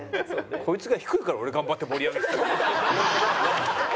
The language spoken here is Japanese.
こいつが低いから俺頑張って盛り上げてたのに。